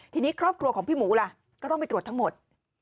ทีนี้ครอบครัวของพี่หมูล่ะก็ต้องไปตรวจทั้งหมด